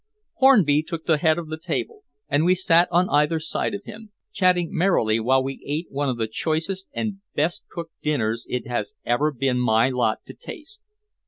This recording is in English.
Hornby took the head of the table, and we sat on either side of him, chatting merrily while we ate one of the choicest and best cooked dinners it has ever been my lot to taste.